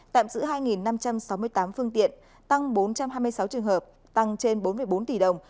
tạm giữ hai năm trăm sáu mươi tám phương tiện tăng bốn trăm hai mươi sáu trường hợp tăng trên bốn bốn tỷ đồng